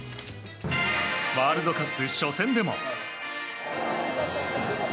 ワールドカップ初戦でも。